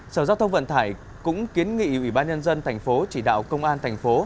sở giao thông vận tải cũng kiến nghị ủy ban nhân dân thành phố chỉ đạo công an thành phố